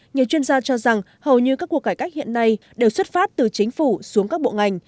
nhiều chuyên gia cho rằng hầu như các cuộc cải cách hiện nay đều xuất phát từ chính phủ xuống các bộ ngành